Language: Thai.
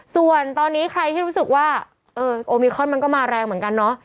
ส่วนตอนนี้ใครที่รู้สึกว่าเออโอมิครอนมันก็มาแรงเหมือนกันเนาะ